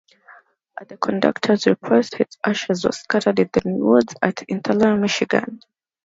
At the conductor's request, his ashes were scattered in the woods at Interlochen, Michigan.